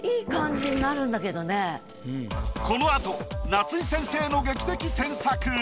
この後夏井先生の劇的添削。